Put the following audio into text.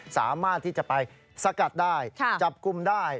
สามารถที่จะไปสกัดได้จับกลุ่มได้